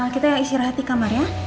kita istirahat di kamar ya